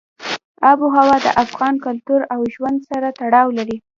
آب وهوا د افغان کلتور او ژوند سره تړاو لري.